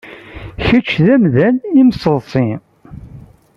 Kečč d amdan imseḍṣi.